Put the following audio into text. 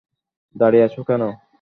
দাঁড়িয়ে আছো কেন?